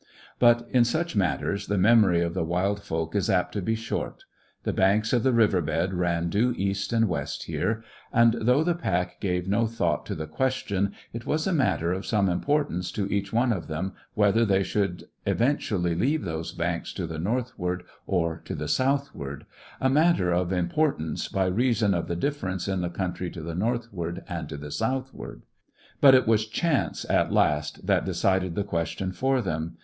But, in such matters, the memory of the wild folk is apt to be short. The banks of the river bed ran due east and west here; and, though the pack gave no thought to the question, it was a matter of some importance to each one of them whether they should eventually leave those banks to the northward or to the southward; a matter of importance by reason of the difference in the country to the northward and to the southward. But it was chance at last that decided the question for them.